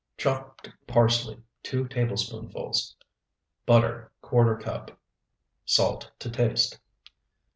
Chopped parsley, 2 tablespoonfuls. Butter, ¼ cup. Salt to taste.